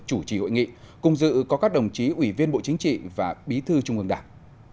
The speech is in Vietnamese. chủ trì hội nghị cùng dự có các đồng chí ủy viên bộ chính trị và bí thư trung ương đảng